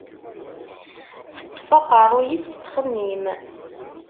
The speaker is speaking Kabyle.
Teṭṭef aqerruy-is tettxemmim.